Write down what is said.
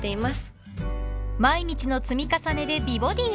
［毎日の積み重ねで美ボディーを］